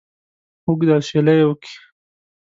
اوږد اسویلی یې وکېښ.